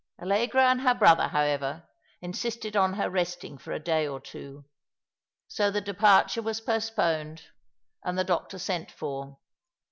Allegra and her brother, however, insisted on her resting for a day or two. So the departure was post poned, and the doctor sent for.